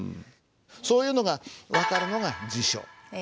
そういうのが分かるのが辞書。